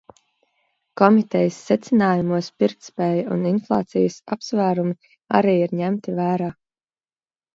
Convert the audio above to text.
Komitejas secinājumos pirktspēja un inflācijas apsvērumi arī ir ņemti vērā.